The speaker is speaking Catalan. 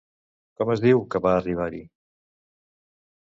Com es diu que va arribar-hi?